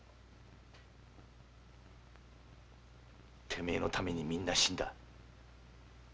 てめえのためにみんな死んだ。